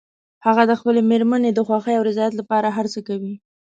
هغه د خپلې مېرمنې د خوښې او رضایت لپاره هر څه کوي